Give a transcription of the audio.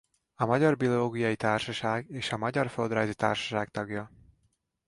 A Magyar Biológiai Társaság és a Magyar Földrajzi Társaság tagja.